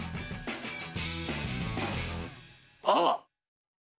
あっ！